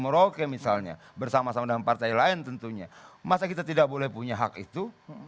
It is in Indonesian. merauke misalnya bersama sama dengan partai lain tentunya masa kita tidak boleh punya hak itu